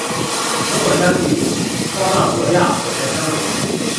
此火山与冒纳罗亚火山相邻。